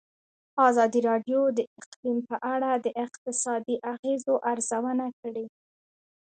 ازادي راډیو د اقلیم په اړه د اقتصادي اغېزو ارزونه کړې.